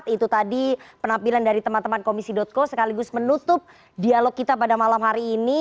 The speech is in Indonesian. itu tadi penampilan dari teman teman komisi co sekaligus menutup dialog kita pada malam hari ini